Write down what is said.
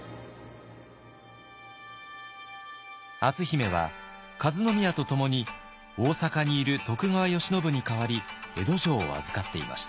篤姫は和宮とともに大坂にいる徳川慶喜に代わり江戸城を預かっていました。